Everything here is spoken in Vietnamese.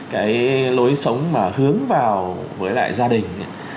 cái lối sống mà hướng vào với lại gia đình